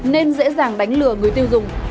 nên dễ dàng đánh lừa người tiêu dùng